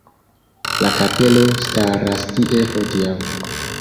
La kapelo staras tie hodiaŭ.